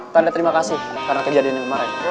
tanda terima kasih karena kejadian yang kemarin